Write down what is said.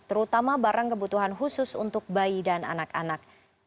terutama barang kebutuhan khusus untuk bayi dan anak anak